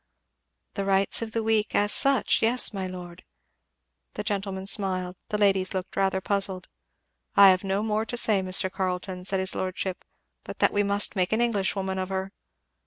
"The rights of the weak as such yes, my lord." The gentlemen smiled; the ladies looked rather puzzled. "I have no more to say, Mr. Carleton," said his lordship, "but that we must make an Englishwoman of her!"